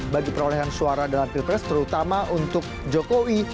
bagi perolehan suara dalam pilpres terutama untuk jokowi